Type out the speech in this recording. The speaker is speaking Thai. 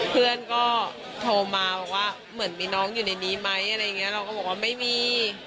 เพื่อนก็โทรมาว่าเหมือนมีน้องอยู่ในนี้ไหมเราก็บอกว่าไม่มี